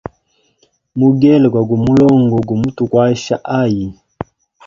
Mugele gwa gu mulongo, gumutukwasha ayi?